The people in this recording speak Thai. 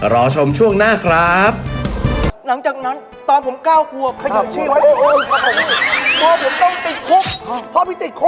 ตอนผมเก้าครัวขยับชีวิตไว้